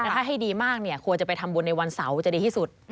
ถ้าให้ดีมากควรจะไปทำบุญในวันเสาร์จะดีที่สุด